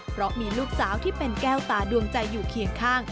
เพราะมีลูกสาวที่เป็นแก้วตาดวงใจอยู่เคียงข้าง